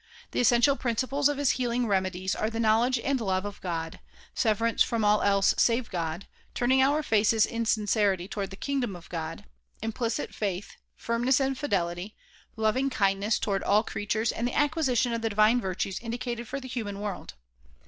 The essential principles of his healing remedies are the knowledge and love of God, severance from all else save God, turning our faces in sincerity toward the kingdom of God, implicit faith, firmness and fidelity, loving kindness toward all creatures and the acquisition of the divine virtues indicated for the human world.